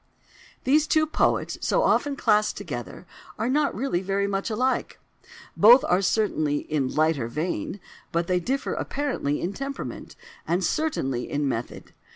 These two poets, so often classed together, are not really very much alike. Both are certainly "in lighter vein"; but they differ apparently in temperament, and certainly in method.